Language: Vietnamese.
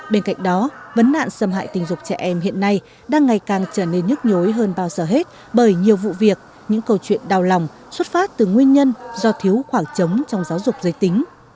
bên cạnh đó vấn nạn xâm hại tình dục trẻ em hiện nay đang ngày càng trở nên nhức nhối hơn bao giờ hết bởi nhiều vụ việc những câu chuyện đau lòng xuất phát từ nguyên nhân do thiếu khoảng trống trong giáo dục giới tính